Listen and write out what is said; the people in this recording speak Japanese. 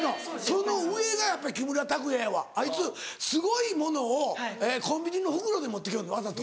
その上がやっぱり木村拓哉やわあいつすごいものをコンビニの袋で持ってきよるわざと。